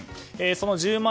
その１０万